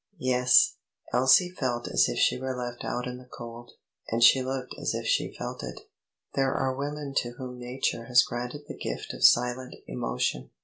Yes; Elsie felt as if she were left out in the cold, and she looked as if she felt it. There are women to whom nature has granted the gift of silent emotion.